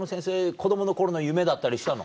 子供の頃の夢だったりしたの？